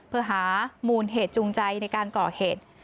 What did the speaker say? เพื่อหามูลเหตุจูงใจในการก่อเหตุ